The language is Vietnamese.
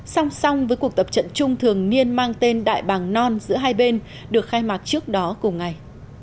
song song với cuộc tập trận chung thường niên mang tên đại bàng non giữa hai bên được khai mạc trước đó cùng ngày